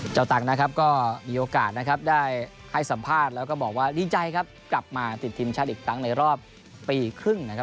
ตังนะครับก็มีโอกาสนะครับได้ให้สัมภาษณ์แล้วก็บอกว่าดีใจครับกลับมาติดทีมชาติอีกครั้งในรอบปีครึ่งนะครับ